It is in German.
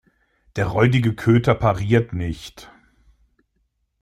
Der räudige Köter pariert nicht.